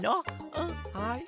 うんはい。